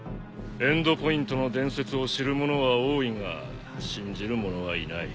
エンドポイントの伝説を知る者は多いが信じる者はいない。